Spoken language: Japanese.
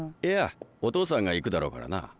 いやお義父さんが行くだろうからな。